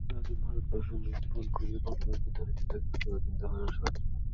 যতদিন ভারতবর্ষ মৃত্যুপণ করিয়াও ভগবানকে ধরিয়া থাকিবে, ততদিন তাহার আশা আছে।